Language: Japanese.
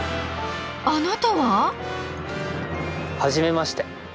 あなたは？はじめまして。